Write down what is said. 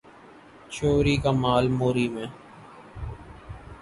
چوری کا مال موری میں